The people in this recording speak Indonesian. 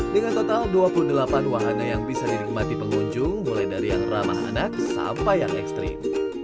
dengan total dua puluh delapan wahana yang bisa dinikmati pengunjung mulai dari yang ramah anak sampai yang ekstrim